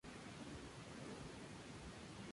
Cada equipo realizará una jugada por turno.